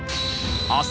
明日